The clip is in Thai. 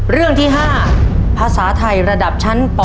เรื่องที่๕ภาษาไทยระดับชั้นป๔